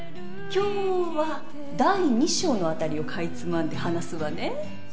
今日は第二章のあたりをかいつまんで話すわね。